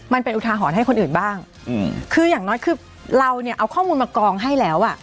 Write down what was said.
อุทาหรณ์ให้คนอื่นบ้างอืมคืออย่างน้อยคือเราเนี่ยเอาข้อมูลมากองให้แล้วอ่ะ